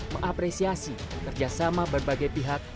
mengapresiasi kerjasama berbagai pihak